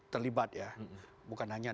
terlibat ya bukan hanya